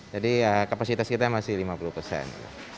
jadi kapasitas kita masih lima puluh persen